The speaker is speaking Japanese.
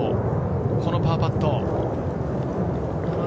このパーパット。